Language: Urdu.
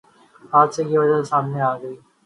حادثے کی وجہ سامنے آگئی